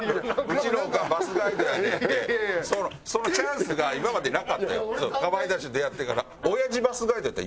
「うちのオカンバスガイドやねん」ってそのチャンスが今までなかったよかまいたちと出会ってから。